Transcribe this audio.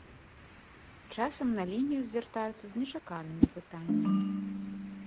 Часам на лінію звяртаюцца з нечаканымі пытаннямі.